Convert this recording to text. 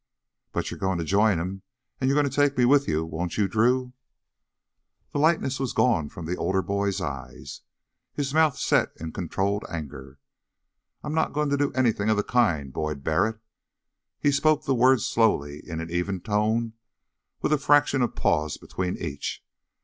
"But you're goin' to join him, and you'll take me with you, won't you, Drew?" The lightness was gone from the older boy's eyes, his mouth set in controlled anger. "I am not goin' to do anything of the kind, Boyd Barrett." He spoke the words slowly, in an even tone, with a fraction of pause between each.